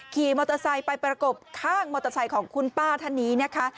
ขี่มอเตอร์ไซค์ไปประกบข้างมอเตอร์ไซค์ของคุณป้าท่านนี้นะคะ